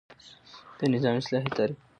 د نظام اصطلاحی تعریف